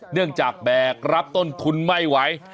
เนื่องจากแบกรับต้นทุนไม่ไหว